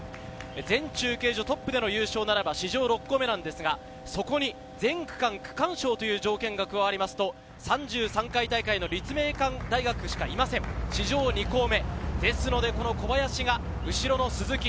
全中継所トップでの優勝ならば史上６校目なんですが、全区間区間賞という条件が加わると３３回大会の立命館大学しかいません、史上２校目。